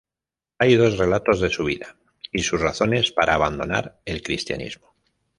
Hay dos relatos de su vida y sus razones para abandonar el cristianismo.